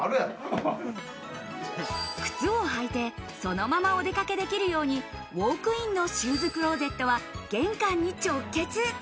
靴を履いてそのままお出かけできるようにウォークインのシューズクローゼットは玄関に直結。